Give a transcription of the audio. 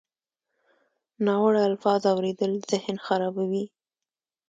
ناوړه الفاظ اورېدل ذهن خرابوي.